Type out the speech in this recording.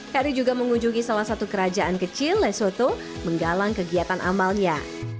harry juga mengunjungi salah satu kerajaan kecil lesoto menggalang kegiatan amalnya